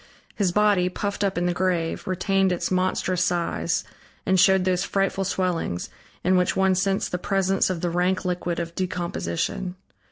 His body, puffed up in the grave, retained its monstrous size and showed those frightful swellings, in which one sensed the presence of the rank liquid of decomposition.